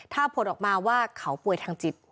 ถ้าผลออกมาว่าเขาป่วยทางจิต